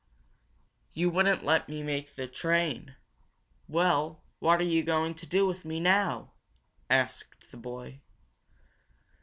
"You wouldn't let me take the train. Well, what are you going to do with me now?" asked the boy.